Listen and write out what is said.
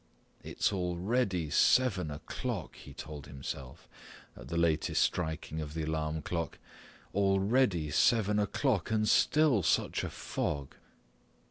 "It's already seven o'clock," he told himself at the latest striking of the alarm clock, "already seven o'clock and still such a fog."